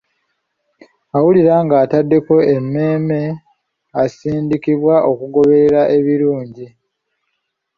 Awulira ng'ataddeko emmeeme asindikibwa okugoberera ebirungi.